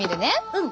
うん。